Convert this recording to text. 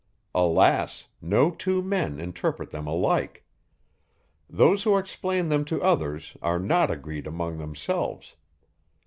Alas! no two men interpret them alike. Those who explain them to others are not agreed among themselves.